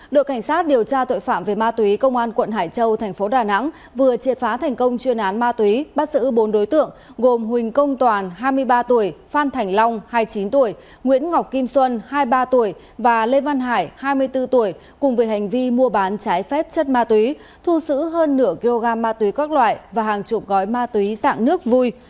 đội cảnh sát điều tra tội phạm về ma túy công an quận hải châu tp đà nẵng vừa triệt phá thành công chuyên án ma túy bắt giữ bốn đối tượng gồm huỳnh công toàn hai mươi ba tuổi phan thành long hai mươi chín tuổi nguyễn ngọc kim xuân hai mươi ba tuổi và lê văn hải hai mươi bốn tuổi cùng với hành vi mua bán trái phép chất ma túy thu giữ hơn nửa kg ma túy các loại và hàng chục gói ma túy dạng nước vui